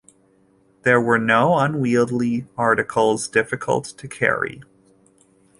There were no unwieldy articles difficult to carry.